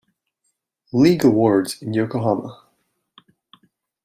League awards in Yokohama.